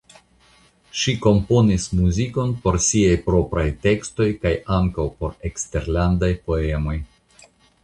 Ŝi komponis muzikon por siaj propraj tekstoj kaj ankaŭ por eksterlandaj poemoj.